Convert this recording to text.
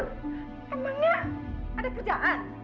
emangnya ada pekerjaan